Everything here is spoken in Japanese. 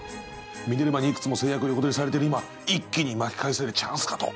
ミネルヴァにいくつも成約横取りされてる今一気に巻き返せるチャンスかと。